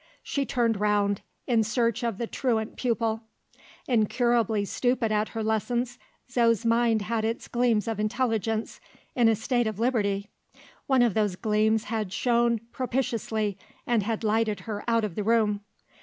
She turned round, in search of the truant pupil. Incurably stupid at her lessons, Zo's mind had its gleams of intelligence, in a state of liberty. One of those gleams had shone propitiously, and had lighted her out of the room.